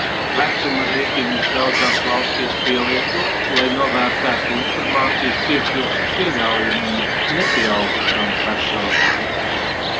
Vecuma reitingus daudzās valstīs pielieto, lai novērtētu informācijas piekļuves pieļaujamību nepieaugušām personām.